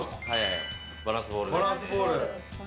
バランスボール。